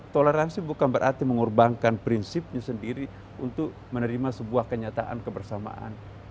toleransi bukan berarti mengorbankan prinsipnya sendiri untuk menerima sebuah kenyataan kebersamaan